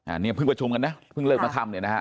อันนี้เพิ่งประชุมกันนะเพิ่งเลิกมาค่ำเนี่ยนะฮะ